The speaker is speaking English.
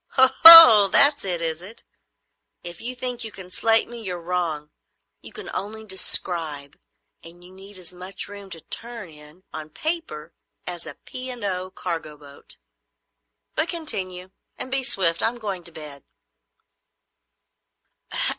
"Oho! that's it, is it? If you think you can slate me, you're wrong. You can only describe, and you need as much room to turn in, on paper, as a P. and O. cargo boat. But continue, and be swift. I'm going to bed."